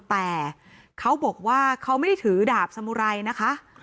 แต่เขาบอกว่าเขาไม่ได้ถือดาบสมุไรนะคะ